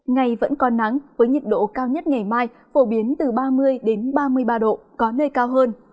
ngày vẫn còn nắng với nhiệt độ cao nhất ngày mai phổ biến từ ba mươi ba mươi ba độ có nơi cao hơn